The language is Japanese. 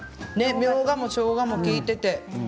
みょうがとしょうがが利いていて。